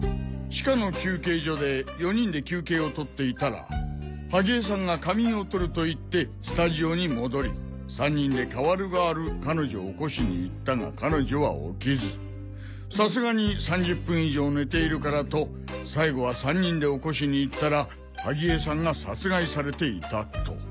地下の休憩所で４人で休憩をとっていたら萩江さんが仮眠をとると言ってスタジオに戻り３人で代わる代わる彼女を起こしに行ったが彼女は起きずさすがに３０分以上寝ているからと最後は３人で起こしに行ったら萩江さんが殺害されていたと。